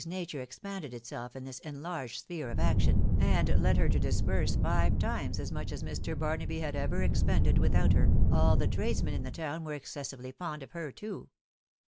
«*»■ 42 TOE WIDOW BARKABT panded itself in this1 enlarged sphere of action, and led her to disburse fire times us much as Mr. Barnafty had ever ex pended without her, all the tradesmen in the town were exces sively fond of her1 too.